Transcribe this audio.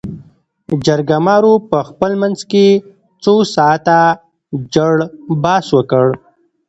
جرګمارو په خپل منځ کې څو ساعاته جړ بحث وکړ.